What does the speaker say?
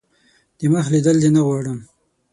دمخ لیدل دي نه غواړم .